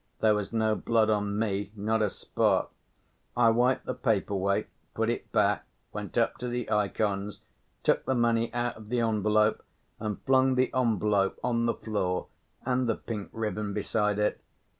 There was no blood on me, not a spot. I wiped the paper‐weight, put it back, went up to the ikons, took the money out of the envelope, and flung the envelope on the floor and the pink ribbon beside it.